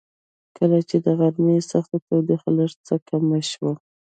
کله چې د غرمې سخته تودوخه لږ څه کمه شوه.